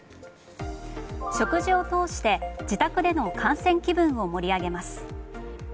食事を通して自宅での観戦気分を盛り上げます。